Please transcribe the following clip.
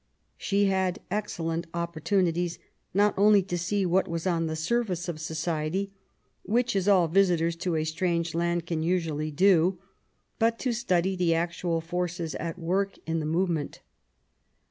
She had excellent opportunities not only to see what was on the surface of society, which is all visitors to a strange land can usually do, but to study the actual forces at work in the movement.